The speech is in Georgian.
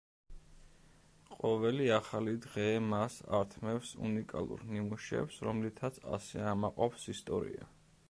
ყოველი ახალი დღე მას ართმევს უნიკალურ ნიმუშებს, რომლითაც ასე ამაყობს ისტორია.